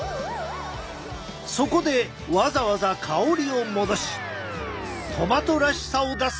そこでわざわざ香りを戻しトマトらしさを出す工程も。